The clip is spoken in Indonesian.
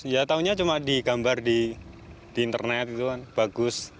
ya taunya cuma digambar di internet gitu kan bagus